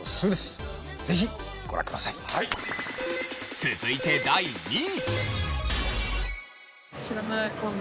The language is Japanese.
続いて第２位。